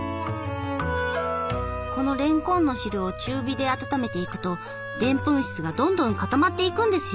このれんこんの汁を中火で温めていくとでんぷん質がどんどん固まっていくんですよ。